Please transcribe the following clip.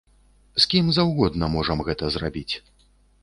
З кім заўгодна можам гэта зрабіць.